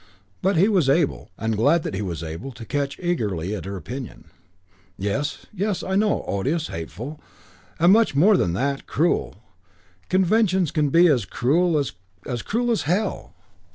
But he was able, and glad that he was able to catch eagerly at her opinion. "Yes, yes, I know, odious, hateful, and much more than that, cruel conventions can be as cruel, as cruel as hell.